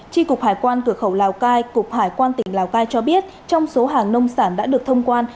tri cục hải quan cửa khẩu lào cai cục hải quan tỉnh lào cai cho biết trong số hàng nông sản đã được thông quan